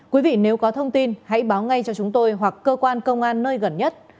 quý vị nếu có thông tin hãy báo ngay cho chúng tôi hoặc cơ quan công an nơi gần nhất